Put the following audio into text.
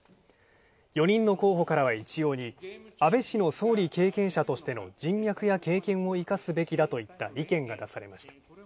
４人の候補からは一様に安倍氏の総理経験者としての人脈や経験を生かすべきだといった意見が出されました。